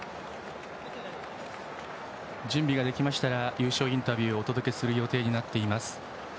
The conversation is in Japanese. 準備ができましたら優勝インタビューをお届けする予定になっています。